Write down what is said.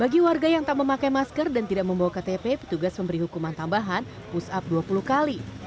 ketika mereka tidak membawa ktp petugas memberi hukuman tambahan pusap dua puluh kali